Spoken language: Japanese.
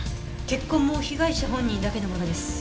血痕も被害者本人だけのものです。